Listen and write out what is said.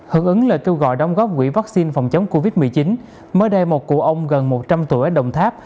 hợp ứng lời kêu gọi đóng góp quỹ vaccine phòng chống covid một mươi chín mới đây một cụ ông gần một trăm linh tuổi ở đồng tháp